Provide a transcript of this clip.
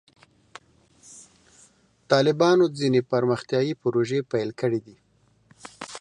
طالبانو ځینې پرمختیایي پروژې پیل کړې دي.